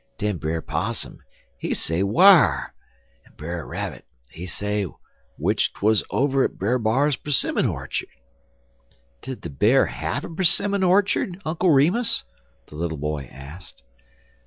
Den Brer Possum, he say whar, en Brer Rabbit, he say w'ich 'twuz over at Brer B'ar's 'simmon orchard." "Did the Bear have a 'simmon orchard, Uncle Remus?" the little boy asked.